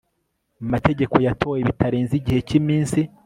mategeko yatowe bitarenze igihe cy iminsi